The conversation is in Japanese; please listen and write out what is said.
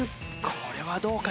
これはどうか？